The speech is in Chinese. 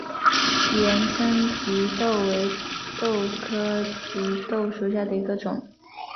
盐生棘豆为豆科棘豆属下的一个种。